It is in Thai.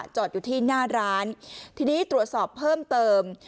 จอดอยู่ที่หน้าร้านทีนี้ตรวจสอบเพิ่มเติม